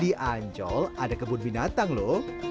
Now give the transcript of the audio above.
di ancol ada kebun binatang loh